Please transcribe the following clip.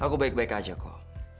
aku baik baik aja kok